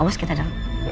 oh bos kita dalam